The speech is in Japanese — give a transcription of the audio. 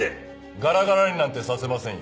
ガラガラになんてさせませんよ